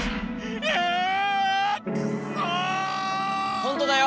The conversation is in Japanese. ほんとだよ！